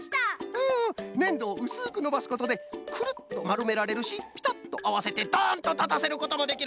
ふんふんねんどをうすくのばすことでクルッとまるめられるしピタッとあわせてドンとたたせることもできる！